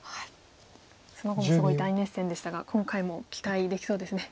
その碁もすごい大熱戦でしたが今回も期待できそうですね。